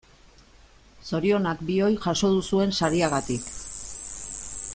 Zorionak bioi jaso duzuen sariagatik.